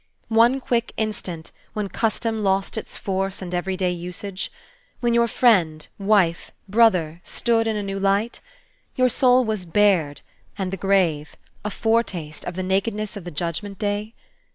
one quick instant, when custom lost its force and every day usage? when your friend, wife, brother, stood in a new light? your soul was bared, and the grave, a foretaste of the nakedness of the Judgment Day?